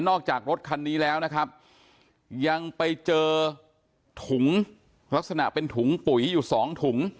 จากรถคันนี้แล้วนะครับยังไปเจอถุงลักษณะเป็นถุงปุ๋ยอยู่สองถุง